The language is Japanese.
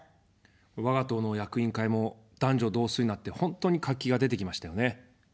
我が党の役員会も男女同数になって本当に活気が出てきましたよね。